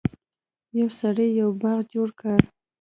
یو سړي یو باغ جوړ کړ.